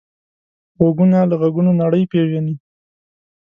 غوږونه له غږونو نړۍ پېژني